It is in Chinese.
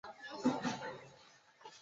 在家中排行第四。